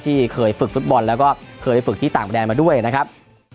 ที่เคยฝึกฟุตบอลแล้วก็เคยไปฝึกที่ต่างแดนมาด้วยนะครับ